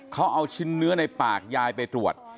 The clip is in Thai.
เขาเอาชิ้นเนื้อในปากยายไปตรวจ